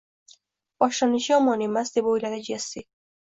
Boshlanishi yomon emas, deb o`yladi Jessi